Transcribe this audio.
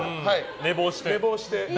寝坊して。